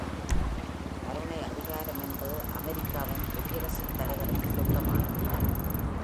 கருணை அதிகாரம் என்பது அமெரிக்காவின் குடியரசுத் தலைவருக்கு சொந்தமானது.